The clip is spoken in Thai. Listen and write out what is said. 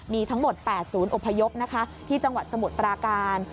มีทั้งหมด๘ศูนย์อพยพนะคะที่จังหวัดสมุทรปราการ